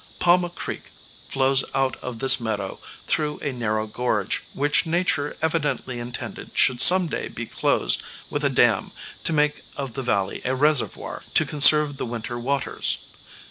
Pauma Creek flows out of this meadow through a narrow gorge, which nature evidently intended should some day be closed with a dam to make of the valley a reservoir to conserve the winter waters.